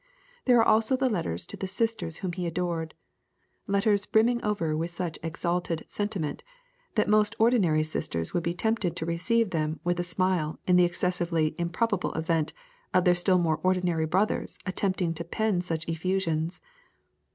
There are also the letters to the sisters whom he adored, letters brimming over with such exalted sentiment, that most ordinary sisters would be tempted to receive them with a smile in the excessively improbable event of their still more ordinary brothers attempting to pen such effusions.